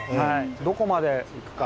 どこまでいくか。